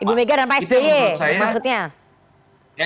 ibu mega dan pak sby maksudnya